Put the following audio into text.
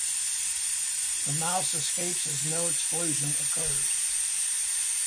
The mouse escapes as no explosion occurs.